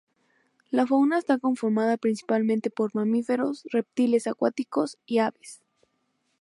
La fauna está conformada principalmente por mamíferos, reptiles acuáticos y aves.